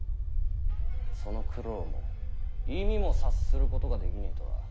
その苦労も意味も察することができねぇとは！